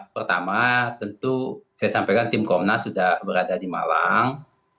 pertama tentu saya sampaikan tim komnas sudah berada di malang